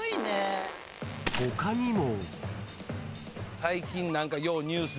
［他にも］